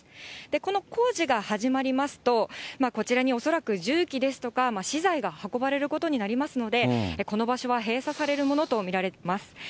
この工事が始まりますと、こちらに恐らく重機ですとか資材が運ばれることになりますので、この場所は閉鎖されるものと見られます。